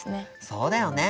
そうだよね。